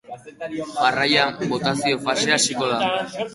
Jarraian, botazio fasea hasiko da.